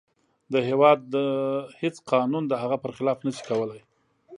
د هیواد هیڅ قانون د هغه پر خلاف نشي کولی.